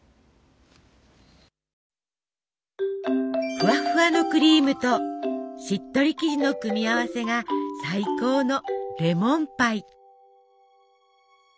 ふわふわのクリームとしっとり生地の組み合わせが最高のレモンパイ。